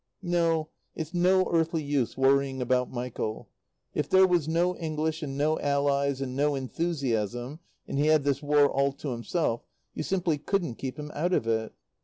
No; it's no earthly use worrying about Michael. If there was no English and no Allies and no Enthusiasm, and he had this War all to himself, you simply couldn't keep him out of it.